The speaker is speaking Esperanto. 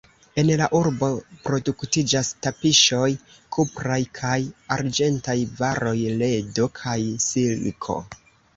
En la urbo produktiĝas tapiŝoj, kupraj kaj arĝentaj varoj, ledo kaj silko.